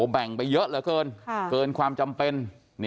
แบ่งไปเยอะเหลือเกินเกินความจำเป็น